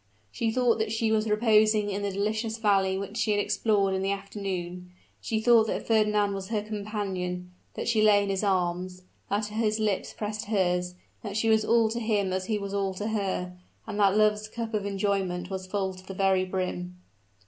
She thought that she was reposing in the delicious valley which she had explored in the afternoon she thought that Fernand was her companion that she lay in his arms that his lips pressed hers that she was all to him as he was all to her, and that love's cup of enjoyment was full to the very brim.